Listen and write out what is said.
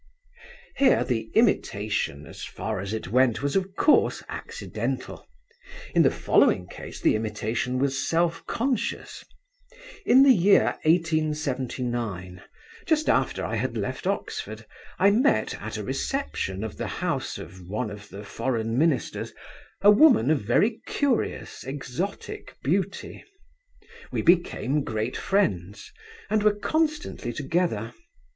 Here the imitation, as far as it went, was of course accidental. In the following case the imitation was self conscious. In the year 1879, just after I had left Oxford, I met at a reception at the house of one of the Foreign Ministers a woman of very curious exotic beauty. We became great friends, and were constantly together.